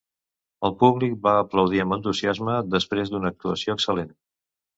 El públic va aplaudir amb entusiasme després d'una actuació excel·lent.